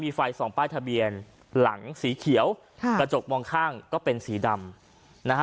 มีไฟสองป้ายทะเบียนหลังสีเขียวค่ะกระจกมองข้างก็เป็นสีดำนะฮะ